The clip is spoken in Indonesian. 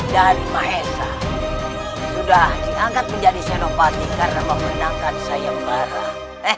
dari maesah sudah diangkat menjadi senopati karena memenangkan saya mbah rang